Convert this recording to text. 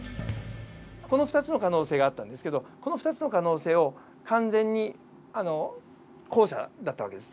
この２つの可能性があったんですけどこの２つの可能性を完全に後者だった訳です。